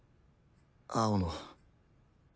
青野。